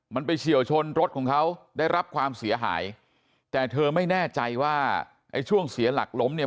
มันไปเฉียวชนรถของเขาได้รับความเสียหายแต่เธอไม่แน่ใจว่าไอ้ช่วงเสียหลักล้มเนี่ย